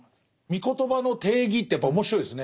み言葉の定義ってやっぱ面白いですね。